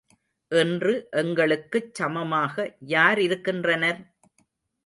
இன்று எங்களுக்குச் சமமாக யார் இருக்கின்றனர்?